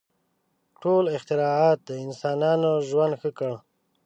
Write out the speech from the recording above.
• ټول اختراعات د انسانانو ژوند ښه کړ.